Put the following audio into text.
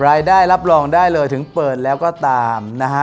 ได้รับรองได้เลยถึงเปิดแล้วก็ตามนะฮะ